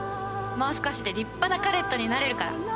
もう少しで立派なカレットになれるから！